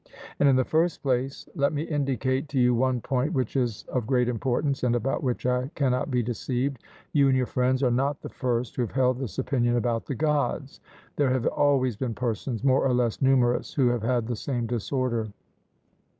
And in the first place let me indicate to you one point which is of great importance, and about which I cannot be deceived: You and your friends are not the first who have held this opinion about the Gods. There have always been persons more or less numerous who have had the same disorder.